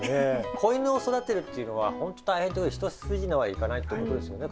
子犬を育てるっていうのは本当大変一筋縄ではいかないってことですよね？